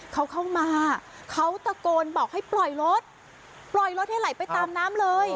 เขาเข้ามาเขาตะโกนบอกให้ปล่อยรถปล่อยรถให้ไหลไปตามน้ำเลย